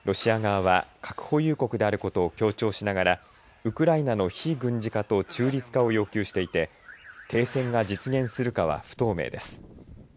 ロシア側は、核保有国であることを強調しながらウクライナの非軍事化と中立化を要求していて停戦が実現するかは不透明です。